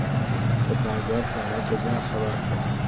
د بازار په حالاتو ځان خبر کړه.